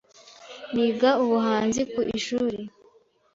Niga ubuhanzi ku ishuri.